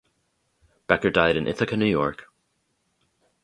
Becker died in Ithaca, New York.